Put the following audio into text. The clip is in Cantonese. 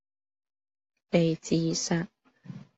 被自殺